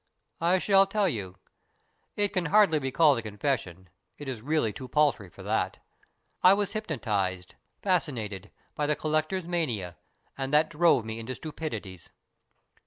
" I will tell you. It can hardly be called a con fession. It is really too paltry for that. I was hypnotized, fascinated, by the collector's mania, and that drove me into stupidities."